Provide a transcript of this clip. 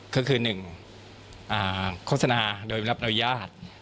ก็คือหนึ่งโฆษณาโดยมนับอนุญาต